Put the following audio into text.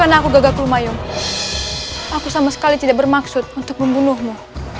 karena aku gagal mayom aku sama sekali tidak bermaksud untuk membunuhmu